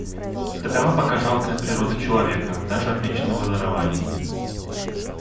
Такова пока жалкая природа человека, даже отмеченного дарованиями.